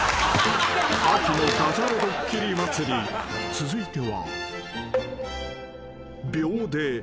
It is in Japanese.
［続いては］